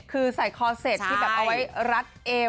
คือใส่คอเสร็จที่แบบเอาไว้รัดเอว